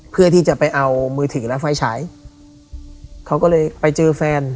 เพื่อที่จะไปเอามือถือและไฟฉายเขาก็เลยไปเจอแฟน